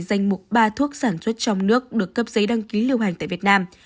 danh mục ba thuốc sản xuất trong nước được cấp giấy đăng ký lưu hành tại việt nam